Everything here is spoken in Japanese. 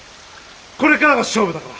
これからが勝負だから。